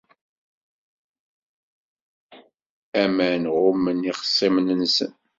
Aman ɣummen ixṣimen-nsen.